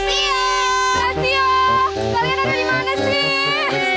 glaxio kalian ada dimana sih